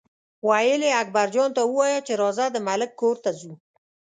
ویل یې اکبرجان ته ووایه چې راځه د ملک کور ته ځو.